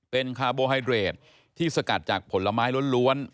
เป็นคาร์โบไฮเดรดที่สกัดจากผลไม้ล้วน